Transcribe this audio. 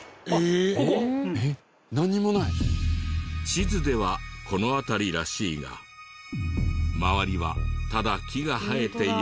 地図ではこの辺りらしいが周りはただ木が生えているだけ。